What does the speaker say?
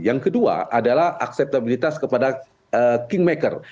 yang kedua adalah akseptabilitas kepada kingmaker